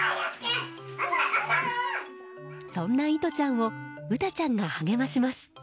そんないとちゃんをうたちゃんが励まします。